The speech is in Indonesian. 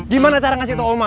gimana cara ngasih tau oma